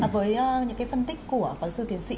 với những cái phân tích của phóng sư thiền sĩ